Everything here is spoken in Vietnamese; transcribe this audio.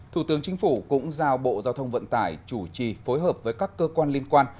thủ tướng chính phủ cũng giao bộ giao thông vận tải chủ trì phối hợp với các cơ quan liên quan